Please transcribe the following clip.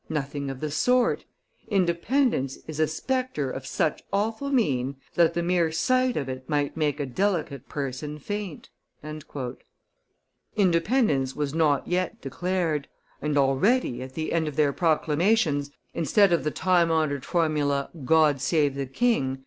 Nothing of the sort! Independence is a spectre of such awful mien that the mere sight of it might make a delicate person faint." Independence was not yet declared, and already, at the end of their proclamations, instead of the time honored formula, 'God save the king!